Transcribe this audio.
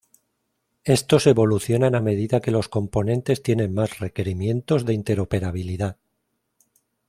Estos evolucionan a medida que los componentes tienen más requerimientos de interoperabilidad.